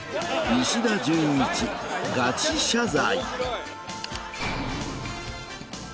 石田純一ガチ謝罪。